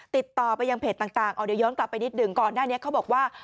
ติดต่อไปยังเพจต่างเอาเดี๋ยวย้อนกลับไปนิดหนึ่งก่อนหน้านี้เขาบอกว่า